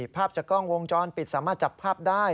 ภาพจากกล้องวงจรปิดสามารถจับภาพได้